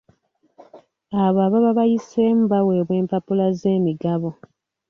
Abo ababa bayiseemu baweebwa empapula z'emigabo.